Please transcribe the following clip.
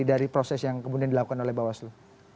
dari proses yang kemudian dilakukan oleh bapak baslu